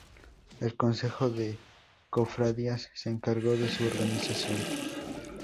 El Consejo de Cofradías se encargó de su organización.